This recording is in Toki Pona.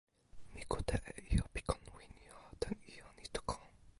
mi kute e ijo pi kon Winjo tan ijo Nitoko.